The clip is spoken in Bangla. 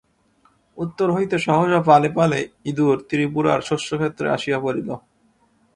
উত্তর হইতে সহসা পালে পালে ইঁদুর ত্রিপুরার শস্যক্ষেত্রে আসিয়া পড়িল।